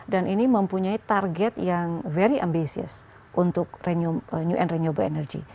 dan ini mempunyai target yang very ambisius untuk renewable energy